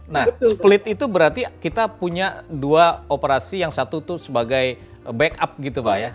nah split itu berarti kita punya dua operasi yang satu itu sebagai backup gitu pak ya